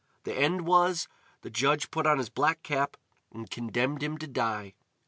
The end was, the judge put on his black cap, and condemned him to die.